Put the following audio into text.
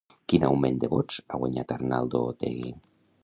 Quin augment de vots ha guanyat Arnaldo Otegi?